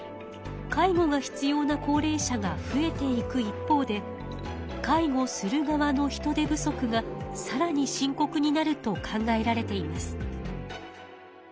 介護が必要な高齢者が増えていく一方で介護する側の人手不足がさらに深こくになると考えられています。